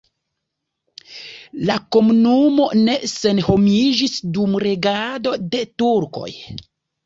La komunumo ne senhomiĝis dum regado de turkoj.